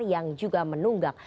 yang juga menunggak